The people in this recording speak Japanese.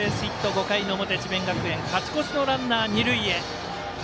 ５回の表、智弁学園勝ち越しのランナー、二塁へ。